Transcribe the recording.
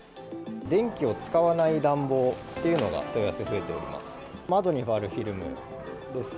電気を使わない暖房というのが問い合わせ増えております。